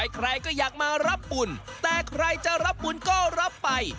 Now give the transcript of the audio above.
ใครก็อยากมารับบุญแต่ใครจะรับบุญก็รับไป